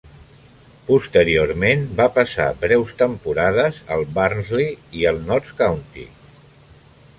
Posteriorment va passar breus temporades al Barnsley i al Notts County.